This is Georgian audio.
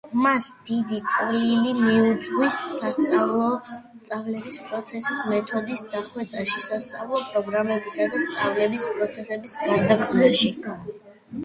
მას დიდი წვლილი მიუძღვის სწავლების პროცესების მეთოდიკის დახვეწაში, სასწავლო პროგრამებისა და სწავლების პროცესების გარდაქმნაში.